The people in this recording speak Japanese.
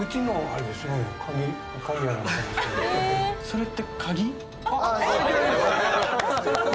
それって鍵？